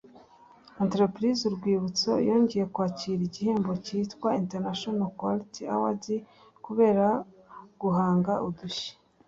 Entreprise Urwibutso yongeye kwakira igihembo cyitwa ‘International Quality Awards’ kubera guhanga udushya